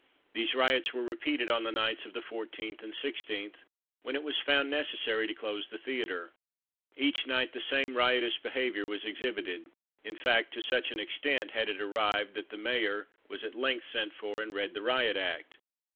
These riots were repeated on the nights of the 14th and 16th, when it was found necessary to close the theatre. Each night the same riotous behaviour was exhibited. In fact, to such an extent had it arrived that the Mayor was at length sent for, and read the Riot Act.